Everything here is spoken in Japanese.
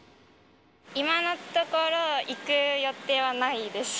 今のところ、行く予定はないです。